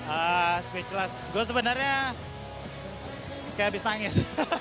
ah speechless gue sebenarnya kayak habis nangis